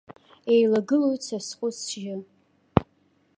Еилагылоит са схәы-сжьы.